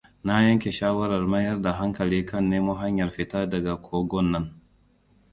Na yanke shawarar mayar da hankali kan nemo hanyar fita daga kogon nan.